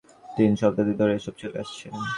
তিন শতাব্দী ধরে এসব চলে আসছে।